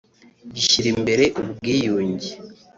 gishyira imbere ubwiyunge